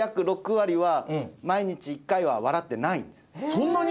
そんなに！？